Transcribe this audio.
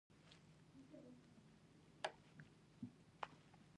دا هغه ځای دی چیرې چې عیسی د نیولو دمخه عبادت کاوه.